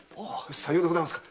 さようでございますか。